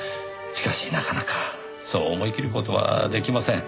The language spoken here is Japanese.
しかしなかなかそう思い切る事はできません。